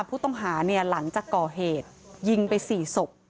ผู้ต้องหาเนี่ยหลังจากก่อเหตุยิงไป๔ศพ